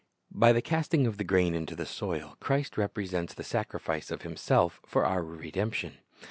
By the casting of the grain into the soil, Christ repre sents the sacrifice of Himself for our redemption.